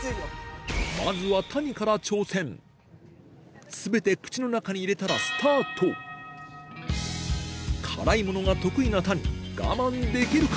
まずは谷から挑戦全て口の中に入れたら辛いものが得意な谷我慢できるか？